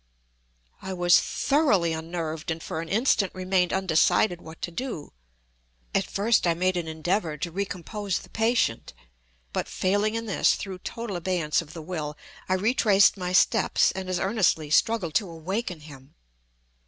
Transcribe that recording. I was thoroughly unnerved, and for an instant remained undecided what to do. At first I made an endeavor to recompose the patient; but, failing in this through total abeyance of the will, I retraced my steps and as earnestly struggled to awaken him.